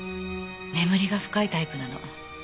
眠りが深いタイプなの。